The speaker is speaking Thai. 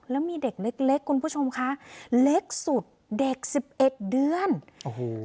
แล้วมีเด็กเล็กเล็กคุณผู้ชมคะเล็กสุดเด็กสิบเอ็ดเดือนโอ้โห